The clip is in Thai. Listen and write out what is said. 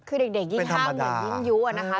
คือเด็กยิ่งห้ามเหมือนยิ่งยุอะนะคะ